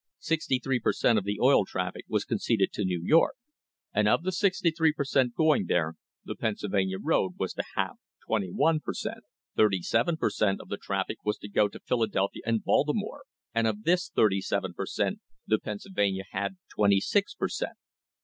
Sixty three per cent, of the oil traffic was conceded to New York, and of the sixty three per cent, going there the Pennsylvania road was to have twenty one per cent. Thirty seven per cent, of the traffic was to go to Philadelphia and Baltimore, and of this thirty seven per cent, the Pennsylvania had twenty six per cent.